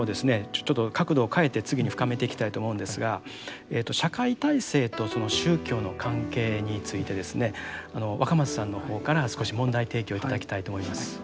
ちょっと角度を変えて次に深めていきたいと思うんですが社会体制と宗教の関係についてですね若松さんの方から少し問題提起を頂きたいと思います。